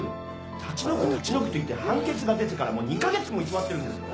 立ち退く立ち退くと言って判決が出てからもう２カ月も居座ってるんですよ！